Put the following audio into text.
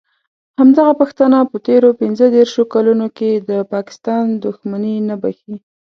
همدغه پښتانه په تېرو پینځه دیرشو کالونو کې د پاکستان دښمني نه بښي.